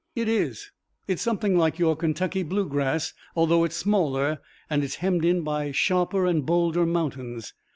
"It is. It's something like your Kentucky Blue Grass, although it's smaller and it's hemmed in by sharper and bolder mountains.